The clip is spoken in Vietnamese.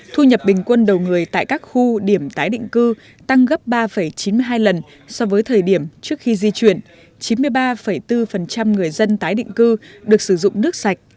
thu nhập bình quân đầu người tại các khu điểm tái định cư tăng gấp ba chín mươi hai lần so với thời điểm trước khi di chuyển chín mươi ba bốn người dân tái định cư được sử dụng nước sạch